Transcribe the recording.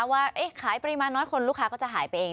ว่าขายปริมาณน้อยคนลูกค้าก็จะหายไปเอง